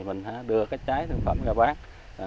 mình đưa cái trái thương phẩm ra bán